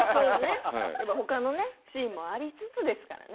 ほかのシーンもありつつですからね。